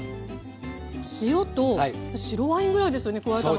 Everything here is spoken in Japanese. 塩と白ワインぐらいですよね加えたの。